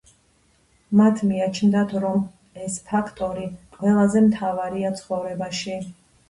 მათ მიაჩნიათ, რომ ეს ფაქტორი ყველაზე მთავარია ცხოვრებაში.